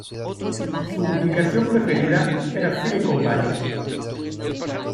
Su ubicación preferida era Silicon Valley.